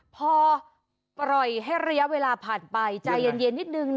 พอปล่อยให้ระยะเวลาผ่านไปใจเย็นนิดนึง